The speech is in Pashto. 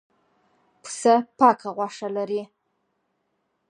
پسه پاکه غوښه لري.